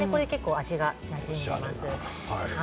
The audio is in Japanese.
味もなじんでいます。